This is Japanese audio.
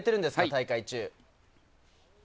大会中。